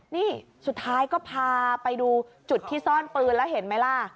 นี่สุดท้ายก็พาไปดูจุดที่ซ่อนปืนแล้วเห็นไหมล่ะ